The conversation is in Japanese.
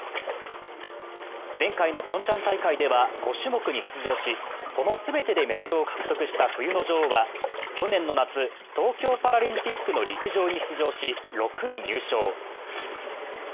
前回のピョンチャン大会では５種目に出場しその全てでメダルを獲得した冬の女王は去年の夏、東京パラリンピックの陸上に出場し６位入賞。